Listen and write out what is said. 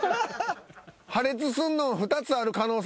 破裂すんの２つある可能性